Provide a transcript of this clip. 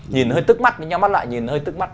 nhìn nó hơi tức mắt nhắm mắt lại nhìn nó hơi tức mắt